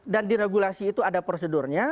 dan diregulasi itu ada prosedurnya